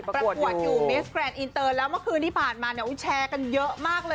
ประกวดอยู่เมสแกรนดอินเตอร์แล้วเมื่อคืนที่ผ่านมาเนี่ยแชร์กันเยอะมากเลย